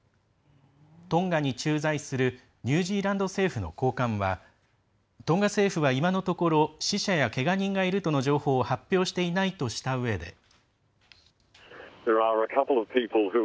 トンガに駐在するニュージーランド政府の高官はトンが政府は今のところ死者やけが人がいるという情報を発表していないとしたうえで。